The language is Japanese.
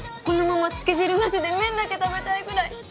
このままつけ汁なしで麺だけ食べたいぐらい。